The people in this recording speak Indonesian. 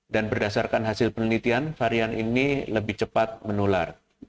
dan berdasarkan hasil penelitian varian ini lebih cepat menular